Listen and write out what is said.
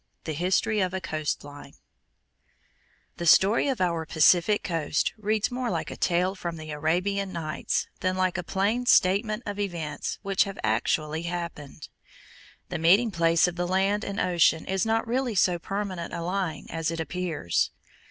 THE HISTORY OF A COAST LINE The story of our Pacific coast reads more like a tale from the "Arabian Nights" than like a plain statement of events which have actually happened. The meeting place of the land and ocean is not really so permanent a line as it appears.